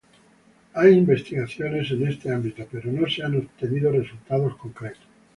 Hay investigaciones en este ámbito, pero no se han obtenido resultados concretos.